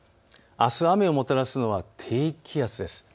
あす雨をもたらすのは低気圧です。